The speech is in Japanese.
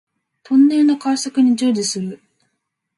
トンネルの開削に従事する